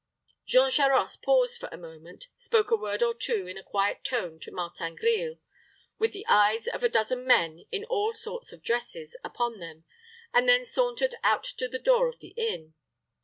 Jean Charost paused for a moment, spoke a word or two, in a quiet tone, to Martin Grille, with the eyes of a dozen men, in all sorts of dresses, upon them, and then sauntered out to the door of the inn.